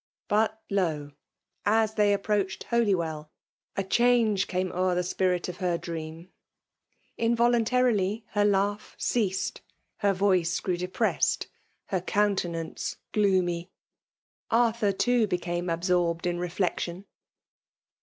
But, lo! as they approached Holywell, a change came o'er the spirit of her dream. In voluntarily her laugh ceased, her voice grew depressed, her countenance gloomy ; Arthur, too, became absorbed in reflection.